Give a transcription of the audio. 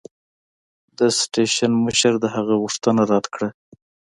د سټېشن مشر د هغه غوښتنه رد کړه.